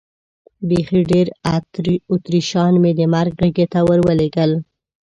بیخي ډېر اتریشیان مې د مرګ غېږې ته ور ولېږل.